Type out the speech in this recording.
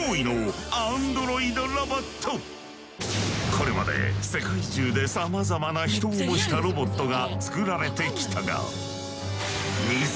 これまで世界中でさまざまな人を模したロボットが作られてきたが。